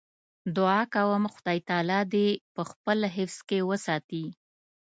دعا کوم خدای تعالی دې په خپل حفظ کې وساتي.